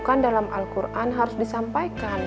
bukan dalam al quran harus disampaikan